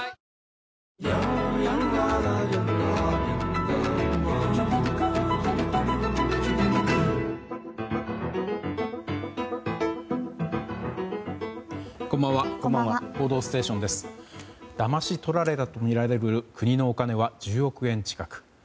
だまし取られたとみられる国のお金は１０億円近く。